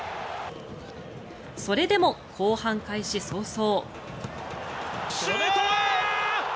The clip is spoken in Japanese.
それでも後半開始早々。